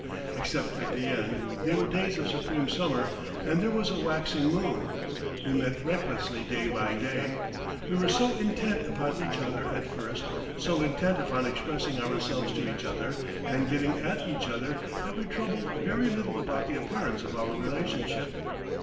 Except at the end, they were days of supreme summer, and there was a waxing moon. We met recklessly day by day. We were so intent upon each other at first so intent upon expressing ourselves to each other, and getting at each other, that we troubled very little about the appearance of our relationship.